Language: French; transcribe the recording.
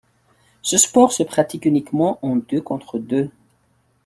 Ce sport se pratique uniquement en deux contre deux.